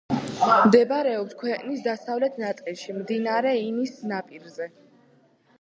მდებარეობს ქვეყნის დასავლეთ ნაწილში მდინარე ინის ნაპირზე.